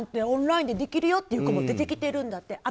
オンラインでできるよっていう子も出てきているって。